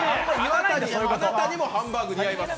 あなたにもハンバーグ似合います。